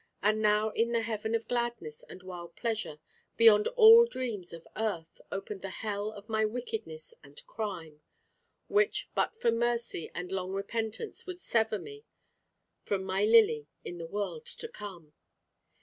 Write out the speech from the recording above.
And now in the heaven of gladness and wild pleasure, beyond all dreams of earth, opened the hell of my wickedness and crime; which but for mercy and long repentance would sever me from my Lily in the world to come.